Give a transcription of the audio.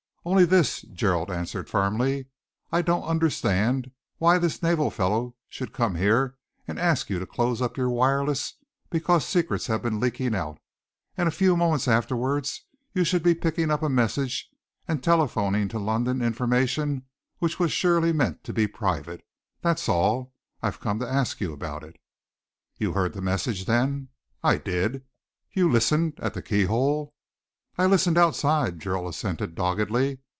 "Only this," Gerald answered firmly. "I don't understand why this naval fellow should come here and ask you to close up your wireless because secrets have been leaking out, and a few moments afterwards you should be picking up a message and telephoning to London information which was surely meant to be private. That's all. I've come to ask you about it." "You heard the message, then?" "I did." "You listened at the keyhole?" "I listened outside," Gerald assented doggedly.